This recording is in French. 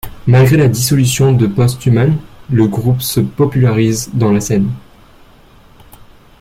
Malgré la dissolution de Posthuman, le groupe se popularise dans la scène.